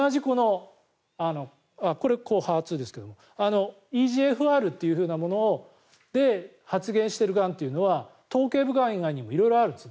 これ、抗ＨＥＲ２ですがＥＧＦＲというもので発現しているがんというのは頭頸部がん以外にも色々あるんですね。